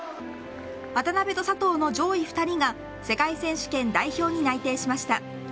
渡辺と佐藤の上位２人が世界選手権代表に内定しました。